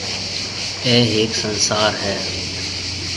اَي هيَڪ سنسار هيَ۔